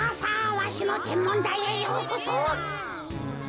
わしのてんもんだいへようこそ。